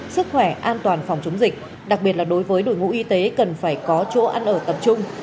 sức khỏe an toàn phòng chống dịch đặc biệt là đối với đội ngũ y tế cần phải có chỗ ăn ở tập trung